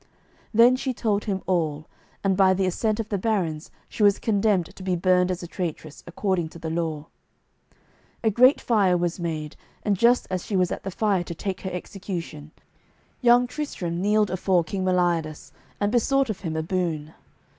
Then she told him all, and by the assent of the barons she was condemned to be burned as a traitress, according to the law. A great fire was made, and just as she was at the fire to take her execution young Tristram kneeled afore King Meliodas and besought of him a boon.